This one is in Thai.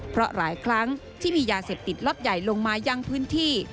เพราะหลายครั้งที่มียาเสพติดล็อตใหญ่ลงมายังพื้นที่